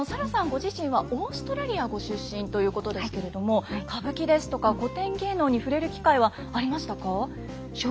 ご自身はオーストラリアご出身ということですけれども歌舞伎ですとか古典芸能に触れる機会はありましたか？